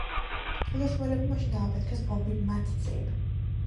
თავდამსხმელებმა მაშინ ააფეთქეს ბომბი მათ წინ.